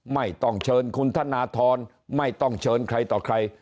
ไม่ต้องเชิญคุณธนทรไม่ต้องเชิญใครต่อใคร